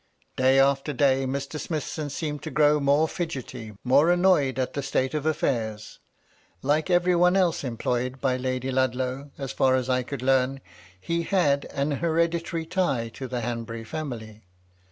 Day after day Mr. Smithson seemed to grow more fidgety, more annoyed at the state of affairs. Like every one else employed by Lady Ludlow, as far as I could learn, he had an hereditary tie to the Hanbury 276 MY LADY LUDLOW. family.